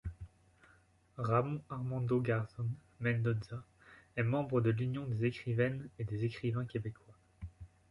Ramón Armando Garzón Mendoza est membre de l’Union des écrivaines et des écrivains québécois.